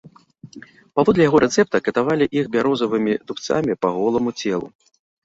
Паводле яго рэцэпта катавалі іх бярозавымі дубцамі па голаму целу.